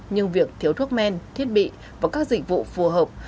nhưng việc thiếu thuốc men thiết bị và các dịch vụ phù hợp